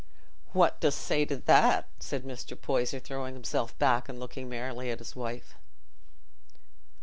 "What dost say to that?" said Mr. Poyser, throwing himself back and looking merrily at his wife.